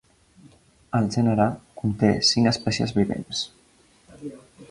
El gènere conté cinc espècies vivents.